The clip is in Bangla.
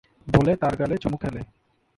বলে তার গালে চুমো খেলে।